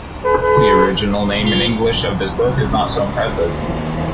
The original name in English of this book is not so impressive.